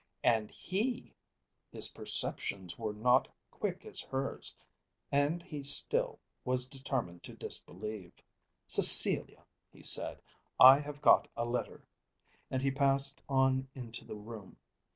And he! His perceptions were not quick as hers, and he still was determined to disbelieve. "Cecilia!" he said, "I have got a letter." And he passed on into the room.